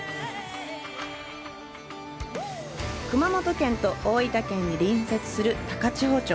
熊本県と大分県に隣接する高千穂町。